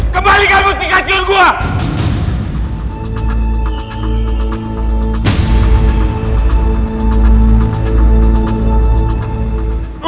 kembalikan mustika sion gue